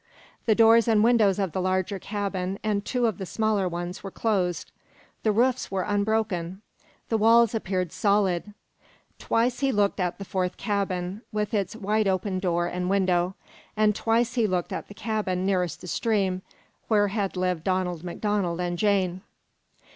The doors and windows of the larger cabin and two of the smaller ones were closed. The roofs were unbroken. The walls appeared solid. Twice he looked at the fourth cabin, with its wide open door and window, and twice he looked at the cabin nearest the stream, where had lived Donald MacDonald and Jane.